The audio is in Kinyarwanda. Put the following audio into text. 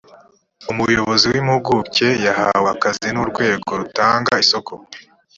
umuyobozi w’impuguke yahawe akazi n ‘urwego rutanga isoko.